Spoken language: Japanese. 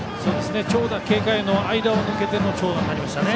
長打警戒の間を抜けての長打になりましたね。